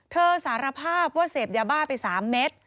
สารภาพว่าเสพยาบ้าไป๓เม็ด